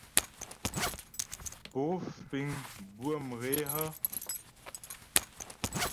Pó fíŋ bʉə̌ mhě a?